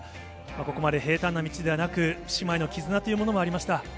ここまで平たんな道ではなく、姉妹の絆というものもありました。